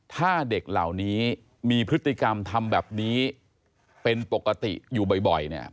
ถ้าเด็กเหล่านี้มีพฤติกรรมทำแบบนี้เป็นปกติอยู่บ่อยเนี่ย